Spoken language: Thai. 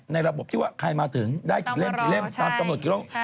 ในระบบที่ว่าใครมาถึงได้กี่เล่มตามกำหนดกี่โลก